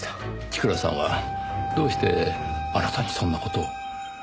千倉さんはどうしてあなたにそんな事を？